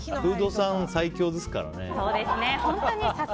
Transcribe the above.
フードさん、最強ですからね。